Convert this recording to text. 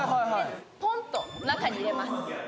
ポンと中に入れます。